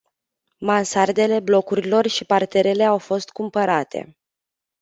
Mansardele blocurilor și parterele au fost cumpărate.